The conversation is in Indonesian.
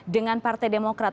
dengan partai demokrat